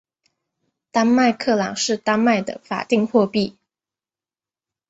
丹麦克朗是丹麦的法定货币。